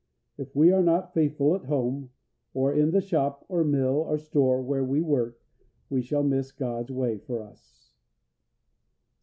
If we are not faithful at home, or in the shop, or mill, or store where we work, we shall miss God's way for us.